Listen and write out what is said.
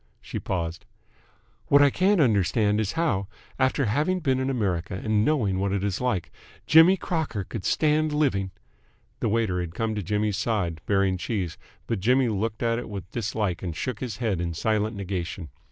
She paused. "What I can't understand is how, after having been in America and knowing what it was like, Jimmy Crocker could stand living ..." The waiter had come to Jimmy's side, bearing cheese; but Jimmy looked at it with dislike and shook his head in silent negation.